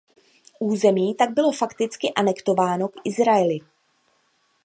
Území tak bylo fakticky anektováno k Izraeli.